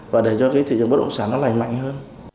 và để cho thị trường bất động sản lành mạnh hơn